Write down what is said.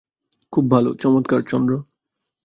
খুব ভালো– চমৎকার– চন্দ্র।